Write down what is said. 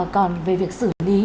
còn về việc xử lý